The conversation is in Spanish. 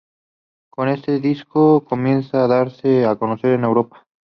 Con este disco comienzan a darse a conocer en Europa.